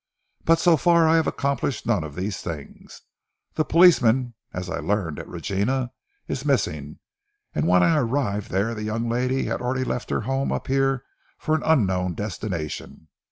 But so far I have accomplished none of these things. The policeman, as I learned at Regina, is missing; and when I arrived there the young lady had already left her home up here for an unknown destination....